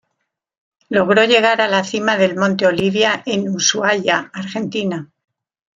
Logró llegar a la cima del Monte Olivia, en Ushuaia, Argentina.